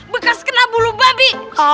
bekas kena bulu babi